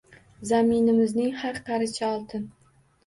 Zaminimizning har qarichi oltin.